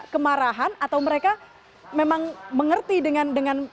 kemarahan atau mereka memang mengerti dengan